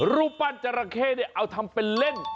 รูปปั้นจราเข้เนี่ยเอาทำเป็นเล่น